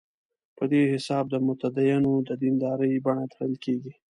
په دې حساب د متدینو د دیندارۍ بڼه تړل کېږي.